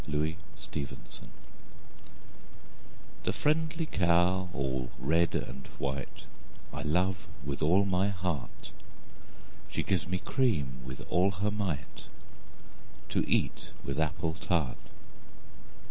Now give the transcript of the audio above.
XXIII The Cow The friendly cow all red and white, I love with all my heart: She gives me cream with all her might, To eat with apple tart.